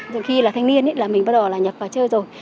rồi khi là thanh niên là mình bắt đầu là nhập vào chơi rồi